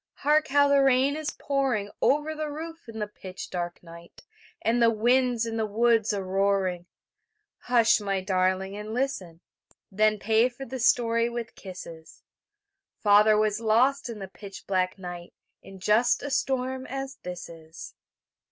Hark how the rain is pouring Over the roof in the pitch dark night, And the winds in the woods a roaring Hush, my darling, and listen, Then pay for the story with kisses; Father was lost in the pitch black night In just such a storm as this is.